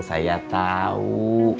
sarjana pertanian doi